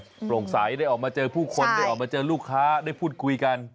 โปร่งใสได้ออกมาเจอผู้คนได้ออกมาเจอลูกค้าได้พูดคุยกัน